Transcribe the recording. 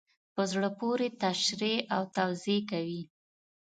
په زړه پوري تشریح او توضیح کوي.